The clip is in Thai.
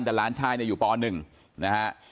แต่หลานชายอยู่ป๑นะฮะ